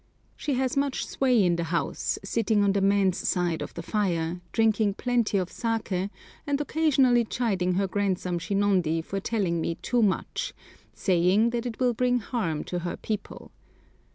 She has much sway in the house, sitting on the men's side of the fire, drinking plenty of saké, and occasionally chiding her grandson Shinondi for telling me too much, saying that it will bring harm to her people.